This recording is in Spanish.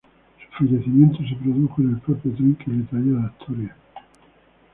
Su fallecimiento se produjo en el propio tren que le traía de Asturias.